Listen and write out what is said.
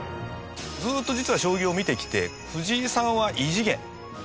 ずっと実は将棋を見てきて藤井さんは異次元。